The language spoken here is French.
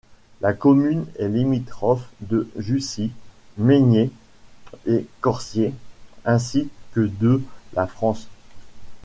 La commune est limitrophe de Jussy, Meinier et Corsier, ainsi que de la France.